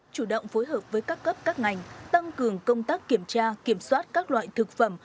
chủ động phối hợp với các cấp các ngành tăng cường công tác kiểm tra kiểm soát các loại thực phẩm